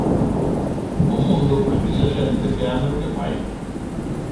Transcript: O mundo precisa xente que ame o que fai.